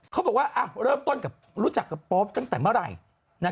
เขาบอกว่าเริ่มต้นรู้จักกับโป๊ปตั้งแต่เมื่อไหร่